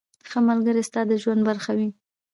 • ښه ملګری ستا د ژوند برخه وي.